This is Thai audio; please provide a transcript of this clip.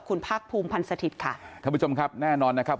คุณภาคภูมิพันธ์สถิตย์ค่ะท่านผู้ชมครับแน่นอนนะครับ